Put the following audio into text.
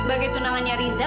sebagai tunangannya riza